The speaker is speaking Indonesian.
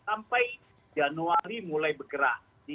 sampai januari mulai bergerak